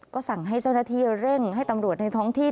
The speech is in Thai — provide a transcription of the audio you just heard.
ก็สั่งให้เจ้าหน้าที่เร่งให้ตำรวจในท้องที่